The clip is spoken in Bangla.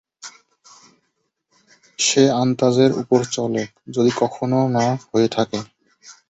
সে আনতাজের উপর চলে, যদি এখনো না হয়ে থাকে।